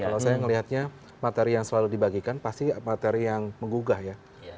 kalau saya melihatnya materi yang selalu dibagikan pasti materi yang menggugah ya